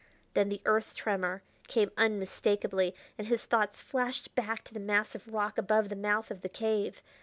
Then the earth tremor came unmistakably, and his thoughts flashed back to the mass of rock above the mouth of the cave.